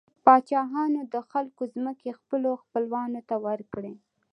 پاچاهانو د خلکو ځمکې خپلو خپلوانو ته ورکړې.